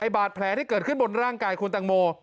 บาดแผลที่เกิดขึ้นบนร่างกายคุณตังโม